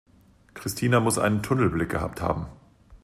Christina muss einen Tunnelblick gehabt haben.